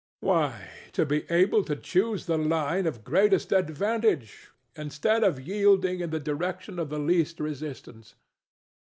DON JUAN. Why, to be able to choose the line of greatest advantage instead of yielding in the direction of the least resistance.